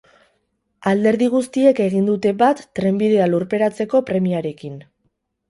Alderdi guztiek egin dute bat trenbidea lurperatzeko premiarekin.